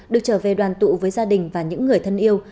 được trở về đoàn tụ với gia đình và những người thân yêu